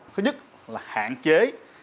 thứ nhất là hạn chế